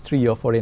khi cơ hội đến